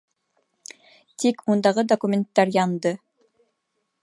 Тик ундағы документтар янды.